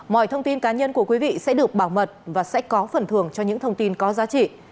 mọi thông tin cá nhân của quý vị sẽ được bảo mật và sẽ có phần thường cho những thông tin có giá trị